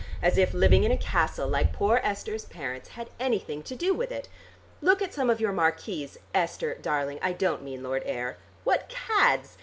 As if living in a castle like poor Esther's parents had anything to do with it! Look at some of your marquises Esther darling, I don't mean Lord Ayr what cads!